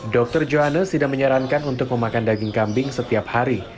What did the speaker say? dr johannes tidak menyarankan untuk memakan daging kambing setiap hari